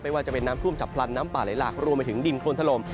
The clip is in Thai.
ว่าจะเป็นน้ำท่วมฉับพลันน้ำป่าไหลหลากรวมไปถึงดินโคนถล่ม